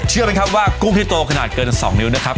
เชื่อไหมครับว่ากุ้งที่โตขนาดเกิน๒นิ้วนะครับ